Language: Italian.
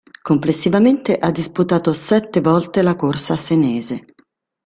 Complessivamente ha disputato sette volte la corsa senese.